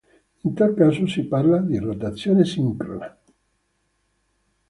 In tal caso si parla di rotazione sincrona.